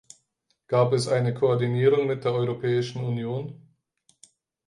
Gab es eine Koordinierung mit der Europäischen Union?